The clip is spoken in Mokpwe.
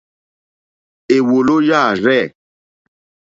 Èwòló yâ rzɛ̂.